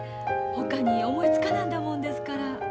ほかに思いつかなんだもんですから。